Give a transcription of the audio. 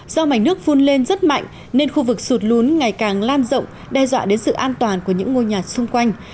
do mảnh nước phun lên rất mạnh nên khu vực sụt lún ngày càng lan rộng đe dọa đến sự an toàn của những ngôi nhà xung quanh